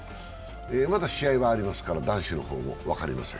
まだ試合はありますから、男子の方も分かりません。